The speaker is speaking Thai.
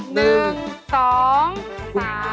หนึ่งสอง